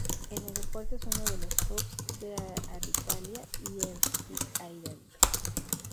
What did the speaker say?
El aeropuerto es uno de los "hubs" de Alitalia y Air Italy.